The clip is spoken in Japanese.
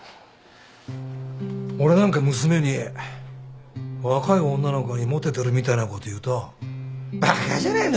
俺なんか娘に若い女の子にモテてるみたいなこと言うと「バカじゃないの？